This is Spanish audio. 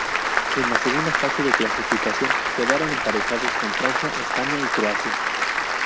En la segunda fase de clasificación, quedaron emparejados con Francia, España y Croacia.